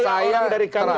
sayang dari karang